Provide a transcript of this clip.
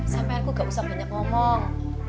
sampai aku gak usah banyak ngomong